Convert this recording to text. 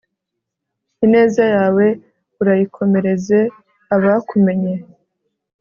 ineza yawe urayikomereze abakumenye